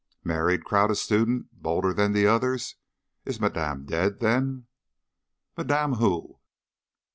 "Married!" cried a student, bolder than the others "Is Madame dead, then?" "Madame who?"